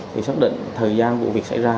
thì xác định thời gian vụ việc xảy ra